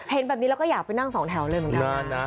เห็นแบบนี้แล้วก็อยากไปนั่งสองแถวเลยเหมือนกันนะ